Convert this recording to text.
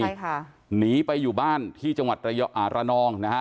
ใช่ค่ะหนีไปอยู่บ้านที่จังหวัดระนองนะฮะ